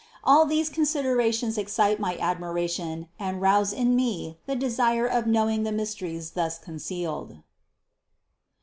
All these considerations excite my admiration and arouse in me the desire of knowing the mysteries thus concealed.